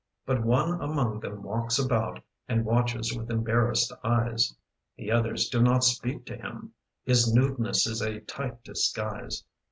But one among them walks about And watches with embarrassed eyes. The others do not speak to him: His nudeness is a tight disguise.